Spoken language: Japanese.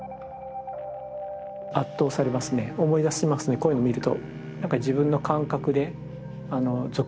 圧倒されますね思い出しますねこういうの見ると。